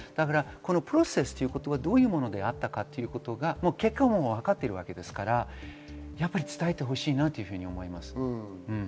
プロセスということは、どういうものであったかということは結果はわかっていますから、伝えてほしいなと思います。